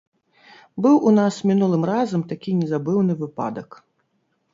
Быў у нас мінулым разам такі незабыўны выпадак.